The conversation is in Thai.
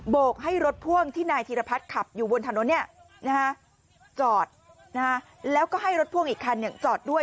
กให้รถพ่วงที่นายธีรพัฒน์ขับอยู่บนถนนจอดแล้วก็ให้รถพ่วงอีกคันจอดด้วย